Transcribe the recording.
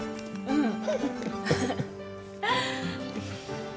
うん。